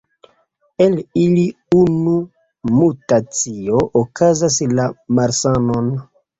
El ili unu mutacio okazas la malsanon.